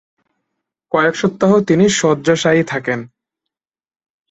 কয়েক সপ্তাহ তিনি শয্যাশায়ী থাকেন।